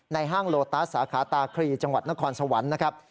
ห้างโลตัสสาขาตาครีจังหวัดนครสวรรค์นะครับ